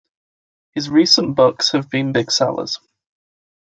His recent books have been big sellers.